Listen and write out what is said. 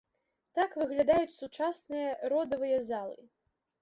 Так выглядаюць сучасныя родавыя залы.